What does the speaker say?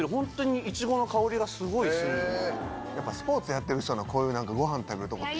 やっぱスポーツやってる人のごはん食べるとこって。